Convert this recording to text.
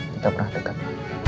kita pernah dekat